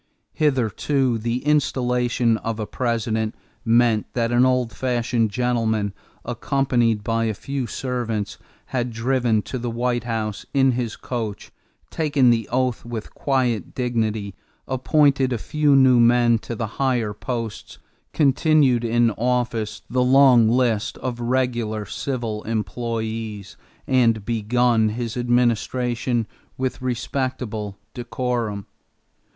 Hitherto the installation of a President meant that an old fashioned gentleman, accompanied by a few servants, had driven to the White House in his own coach, taken the oath with quiet dignity, appointed a few new men to the higher posts, continued in office the long list of regular civil employees, and begun his administration with respectable decorum.